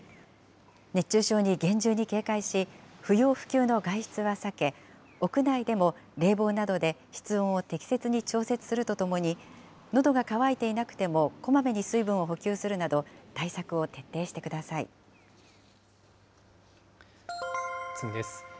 熱中症に厳重に警戒し、不要不急の外出は避け、屋内でも冷房などで室温を適切に調節するとともに、のどが渇いていなくても、こまめに水分を補給するなど、対策を徹次です。